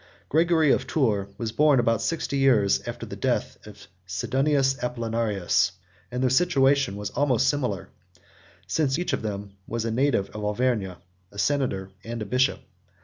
Gregory of Tours 110 was born about sixty years after the death of Sidonius Apollinaris; and their situation was almost similar, since each of them was a native of Auvergne, a senator, and a bishop.